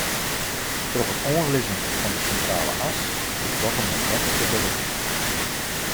Troch it oanlizzen fan de Sintrale As is Dokkum no better te berikken.